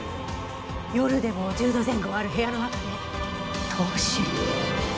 夜でも１０度前後ある部屋の中で凍死。